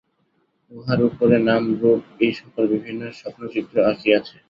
উহার উপরে নাম-রূপ এই-সকল বিভিন্ন স্বপ্নচিত্র আঁকিয়াছে।